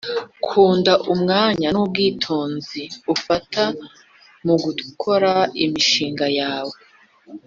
nkunda umwanya nubwitonzi ufata mugukora imishinga yawe